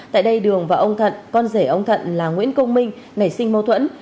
tại đây đường và ông thận con rể ông thận là nguyễn công minh nảy sinh mâu thuẫn